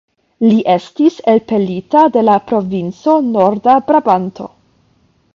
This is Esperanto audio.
Li estis elpelita de la provinco Norda-Brabanto.